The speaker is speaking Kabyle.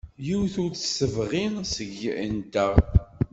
Yiwet ur t-tebɣi seg-nteɣ.